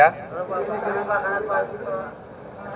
nah tak tepat tapi yang penting itu adalah